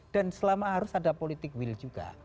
selama harus ada politik will juga